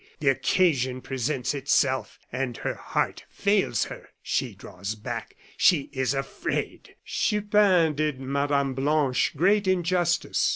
The occasion presents itself, and her heart fails her. She draws back she is afraid!" Chupin did Mme. Blanche great injustice.